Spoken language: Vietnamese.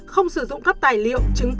không sử dụng các tài liệu